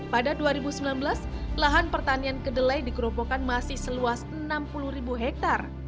pada dua ribu sembilan belas lahan pertanian kedelai di keropokan masih seluas enam puluh ribu hektare